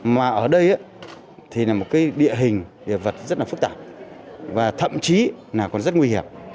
mà ở đây thì là một cái địa hình địa vật rất là phức tạp và thậm chí là còn rất nguy hiểm